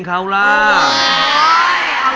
สวัสดีครับ